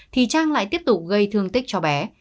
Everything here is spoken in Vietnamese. thì trang lại tiếp tục gây thương tích cho bé